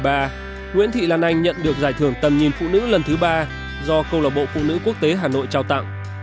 năm hai nghìn một mươi ba nguyễn thị lan anh nhận được giải thưởng tầm nhìn phụ nữ lần thứ ba do câu lạc bộ phụ nữ quốc tế hà nội trao tặng